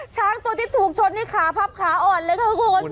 ช้างตัวที่ถูกชนนี่ขาพับขาอ่อนเลยค่ะคุณ